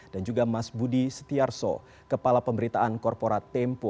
dan juga mas budi setiarso kepala pemberitaan korporat tempo